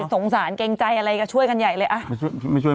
สงสารเกรงใจอะไรก็ช่วยกันใหญ่เลยอ่ะ